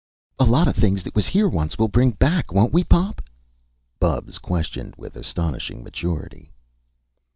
"A lot of things that was here once, we'll bring back, won't we, Pop?" Bubs questioned with astonishing maturity.